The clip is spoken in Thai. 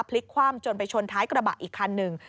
พลิกคว่ำจนไปชนท้ายกระบะอีกคันหนึ่ง